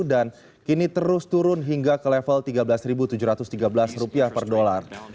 dan kini terus turun hingga ke level rp tiga belas tujuh ratus tiga belas per dolar